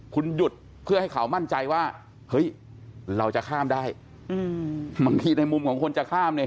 คุณหยุดเพื่อให้เขามั่นใจว่าเฮ้ยเราจะข้ามได้อืมบางทีในมุมของคนจะข้ามเนี่ย